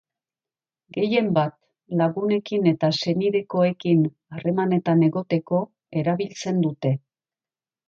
Gehien bat, lagunekin eta senidekoekin harremanetan egoteko erabiltzen dute.